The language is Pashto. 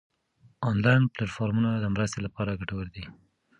انلاین پلیټ فارمونه د مرستې لپاره ګټور دي.